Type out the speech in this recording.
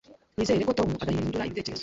Nizere ko Tom adahindura ibitekerezo.